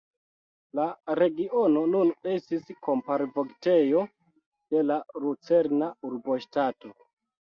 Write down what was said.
La regiono nun estis kamparvoktejo de la lucerna urboŝtato.